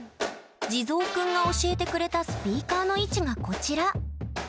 地蔵くんが教えてくれたスピーカーの位置がこちら。